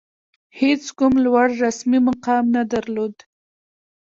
هېڅ کوم لوړ رسمي مقام نه درلود.